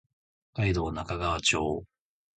北海道中川町